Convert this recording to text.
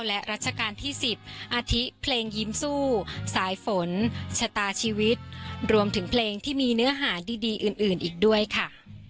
และรัชกาลที่๑๐อาทิตเพลงยิ้มสู้สายฝนชะตาชีวิตรวมถึงเพลงที่มีเนื้อหาดีอื่นอีกด้วยค่ะ